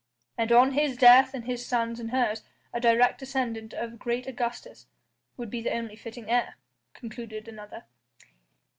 "And on his death his son and hers a direct descendant of great Augustus would be the only fitting heir," concluded another.